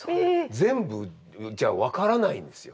全部じゃ分からないんですよ。